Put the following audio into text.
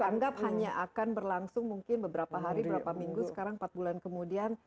dianggap hanya akan berlangsung mungkin beberapa hari beberapa minggu sekarang empat bulan kemudian